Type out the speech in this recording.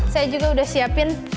saya juga udah siapin